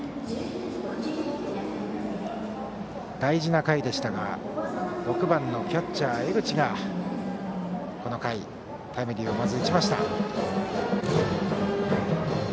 大事な回でしたが６番キャッチャー、江口がこの回、タイムリーをまず打ちました。